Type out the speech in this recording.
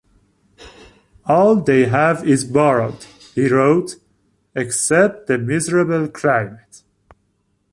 "All they have is borrowed," he wrote, "except the miserable climate.